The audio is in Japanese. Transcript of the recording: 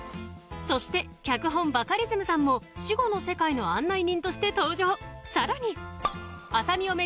そして脚本・バカリズムさんも死後の世界の案内人として登場